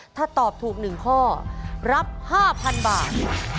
ถ้าตอบถูก๑ข้อรับ๕๐๐๐บาท